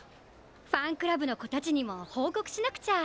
ファンクラブのこたちにもほうこくしなくちゃ。